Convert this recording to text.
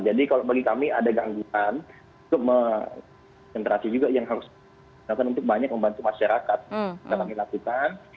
jadi kalau bagi kami ada gangguan cukup mengentrasi juga yang harus kita lakukan untuk banyak membantu masyarakat dalam inasikan